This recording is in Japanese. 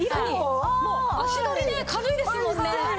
もう足取りね軽いですもんね。